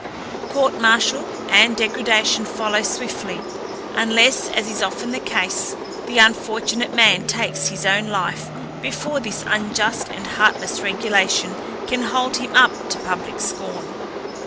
Court martial and degradation follow swiftly, unless as is often the case, the unfortunate man takes his own life before this unjust and heartless regulation can hold him up to public scorn.